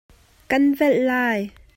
Ka'n velh lai.